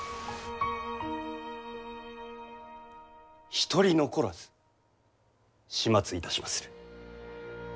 一人残らず始末いたしまする。